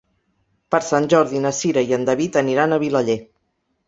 Per Sant Jordi na Cira i en David aniran a Vilaller.